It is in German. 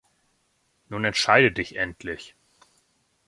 Nun entscheide dich endlich!